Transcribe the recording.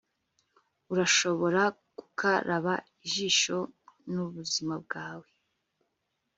Urashobora gukaraba ijisho nubuzima bwawe